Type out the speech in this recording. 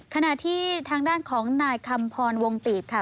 ขณะที่ทางด้านของนายคำพรวงตีบค่ะ